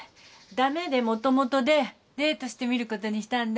駄目でもともとでデートしてみることにしたんだ。